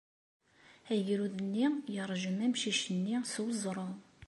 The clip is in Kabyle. Agrud-nni yeṛjem amcic-nni s weẓru.